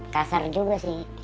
kasar juga sih